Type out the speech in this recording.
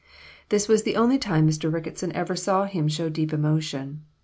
This was the only time Mr. Ricketson ever saw him show deep emotion.